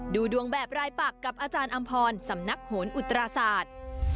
ดูดวงแบบรายปักกับอาจารย์อำพรสำนักโหนอุตราศาสตร์